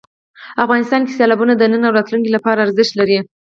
افغانستان کې سیلابونه د نن او راتلونکي لپاره ارزښت لري.